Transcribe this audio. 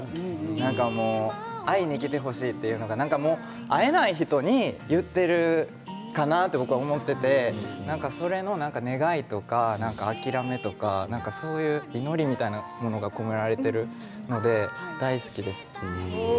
愛に生きてほしいというのは会えないに言ってるかなと僕は思っていてそれの願いとか諦めとかそういう祈りみたいなものが込められているので大好きです。